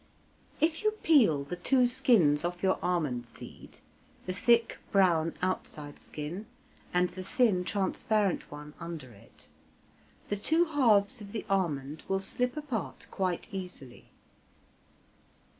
If you peel the two skins off your almond seed (the thick, brown, outside skin, and the thin, transparent one under it), the two halves of the almond will slip apart quite easily.